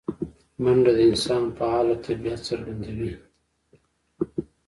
منډه د انسان فعاله طبیعت څرګندوي